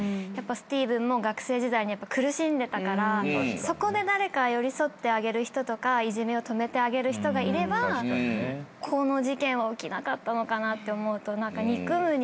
スティーブンも学生時代に苦しんでたからそこで誰か寄り添ってあげる人とかいじめを止めてあげる人がいればこの事件は起きなかったのかなと思うと憎むに憎めない。